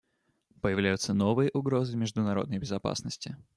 Появляются новые угрозы международной безопасности.